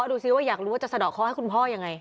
ดูซิว่าอยากรู้ว่าจะสะดอกข้อให้คุณพ่อยังไง